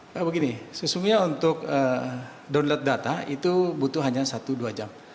pak begini sesungguhnya untuk download data itu butuh hanya satu dua jam